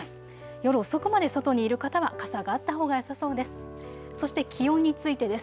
夜遅くまで外にいる方は傘があったほうがよさそうです。